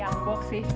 yang box sih